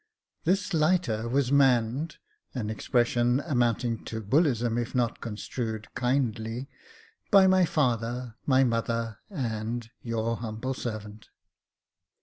This lighter was manned (an expression amounting to bullism, if not construed kind ly) by my father, my mother, and your humble servant.